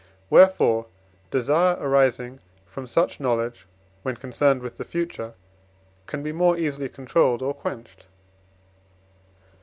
Wherefore desire arising from such knowledge, when concerned with the future, can be more easily controlled or quenched, &c.